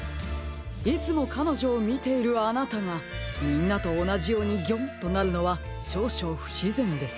いつもかのじょをみているあなたがみんなとおなじように「ギョン！」となるのはしょうしょうふしぜんです。